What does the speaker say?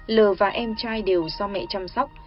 lờ và em trai đều do mẹ chăm sóc